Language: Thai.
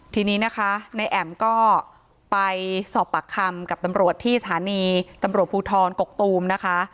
ทีนี้นะคะในแอ๋มก็ไปสอบปากคำกับตำรวจที่สถานีตำรวจภูทรกกตูมนะคะ